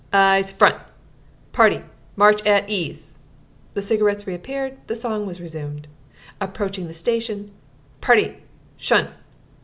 ... Eyes front! Party, march at ease!" The cigarettes reappeared, the song was resumed. Approaching the station, "Party, 'shun!"